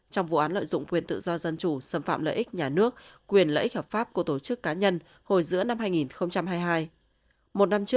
trong vụ án lợi dụng quyền tự do dân chủ xâm phạm lợi ích nhà nước quyền lợi ích hợp pháp của tổ chức cá nhân hồi giữa năm hai nghìn hai mươi hai